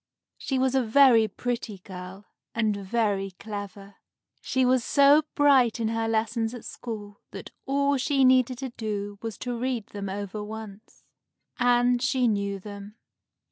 She was a very pretty girl, and very clever. She was so bright in her lessons at school that all she needed to do was to read them over once, and she knew them.